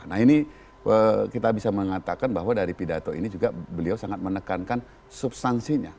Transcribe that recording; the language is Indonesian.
nah ini kita bisa mengatakan bahwa dari pidato ini juga beliau sangat menekankan substansinya